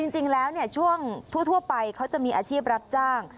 จริงแล้วช่วงทั่วไปเขาจะมีอาชีพรับจ้าง